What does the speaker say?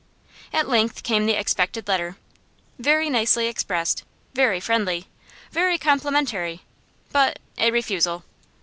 At length came the expected letter. Very nicely expressed, very friendly, very complimentary, but a refusal.